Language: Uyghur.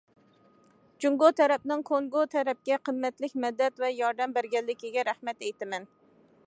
جۇڭگو تەرەپنىڭ كونگو تەرەپكە قىممەتلىك مەدەت ۋە ياردەم بەرگەنلىكىگە رەھمەت ئېيتىمەن.